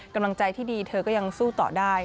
กำลังใจที่ดีเธอก็ยังสู้ต่อได้